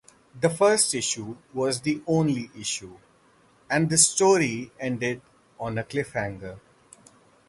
The first issue was the only issue, and the story ended on a cliffhanger.